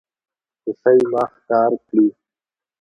هوسۍ ما ښکار کړي